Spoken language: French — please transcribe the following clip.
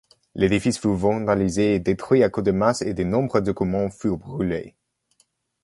L'édifice fut vandalisé, détruit à coups de masses et de nombreux documents furent brulés.